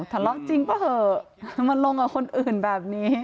ทะเลาะจริงเปล่าเถอะจะมาลงกับคนอื่นแบบนี้